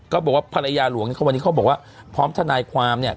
บอกว่าภรรยาหลวงเนี่ยวันนี้เขาบอกว่าพร้อมทนายความเนี่ย